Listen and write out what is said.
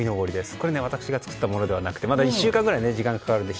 これ、私が作ったものではなくてまだ１週間くらいかかるので。